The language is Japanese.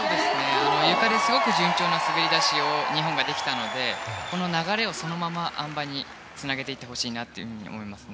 ゆかですごく順調な滑り出しを日本はできたのでこの流れを、そのままあん馬につなげてほしいなと思います。